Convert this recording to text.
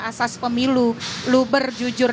asas pemilu lu berjujur